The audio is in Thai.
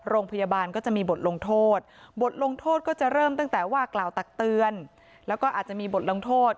โรงพยาบาลก็จะมีบทลงโทษ